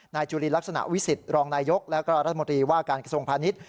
จุลินลักษณะวิสิตรองนายกแล้วก็รัฐมนตรีว่าการกระทรวงพาณิชย์